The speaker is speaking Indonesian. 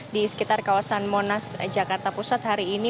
di sekitar kawasan monas jakarta pusat hari ini